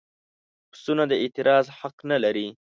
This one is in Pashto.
پسونه د اعتراض حق نه لري.